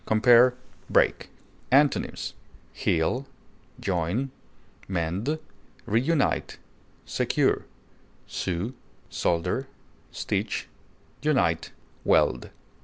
Compare BREAK. Antonyms: heal, mend, reunite, secure, sew, solder, stitch, unite, weld.